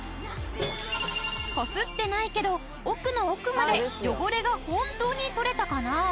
こすってないけど奥の奥まで汚れが本当に取れたかな？